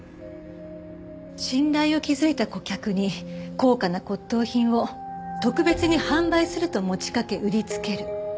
信頼を築いた顧客に高価な骨董品を特別に販売すると持ちかけ売りつける。